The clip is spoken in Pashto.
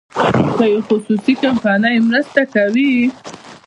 که یوه خصوصي کمپنۍ مرسته کوي.